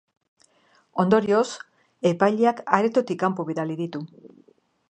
Ondorioz, epaileak aretotik kanpo bidali ditu.